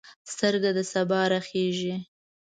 سترګه د سبا راخیژي